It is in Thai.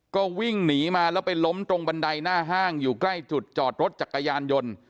ก็วิ่งหนีมาแล้วไปล้มตรงบันไดหน้าห้างอยู่ใกล้จุดจอดรถจักรยานยนต์